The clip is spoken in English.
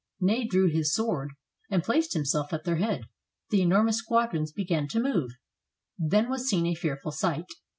Ney drew his sword and placed himself at their head. The enormous squadrons began to move. Then was seen a fearful sight.